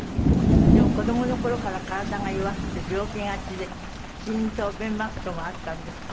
でも子どもの頃から体が弱くて病気がちで心臓弁膜症もあったんですって？